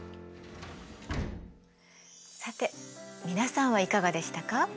さて皆さんはいかがでしたか？